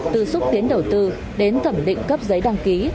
từ xúc tiến đầu tư đến thẩm định cấp giấy đăng ký